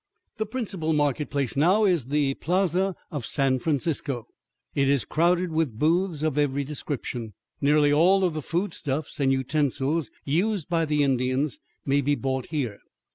The principal market place now is the Plaza of San Francisco. It is crowded with booths of every description. Nearly all of the food stuffs and utensils used by the Indians may be bought here.